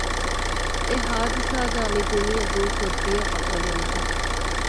އެ ހާދިސާގައި މި ދުނިޔެ ދޫކޮށް ދިޔަ ބަޠަލުންތައް